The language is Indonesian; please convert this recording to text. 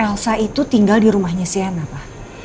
elsa itu tinggal di rumahnya sienna pa